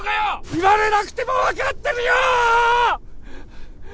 言われなくても分かってるよー！